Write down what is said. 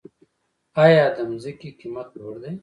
آیا د ځمکې قیمت لوړ دی؟